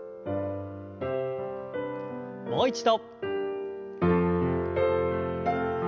もう一度。